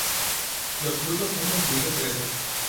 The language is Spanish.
Los frutos son consumidos frescos.